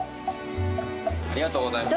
ありがとうございます。